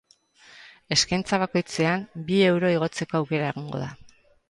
Eskaintza bakoitzean, bi euro igotzeko aukera egongo da.